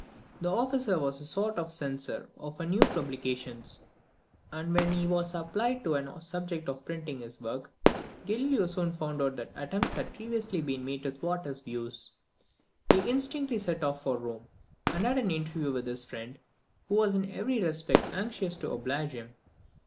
This officer was a sort of censor of new publications, and when he was applied to on the subject of printing his work, Galileo soon found that attempts had previously been made to thwart his views. He instantly set off for Rome, and had an interview with his friend, who was in every respect anxious to oblige him.